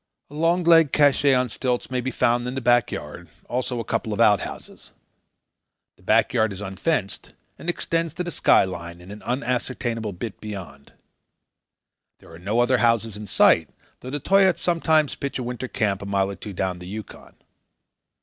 A long legged cache on stilts may be found in the back yard; also a couple of outhouses. The back yard is unfenced, and extends to the skyline and an unascertainable bit beyond. There are no other houses in sight, though the Toyaats sometimes pitch a winter camp a mile or two down the Yukon.